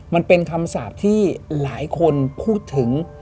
มันเป็นคำสาปที่หลายคนพูดถึง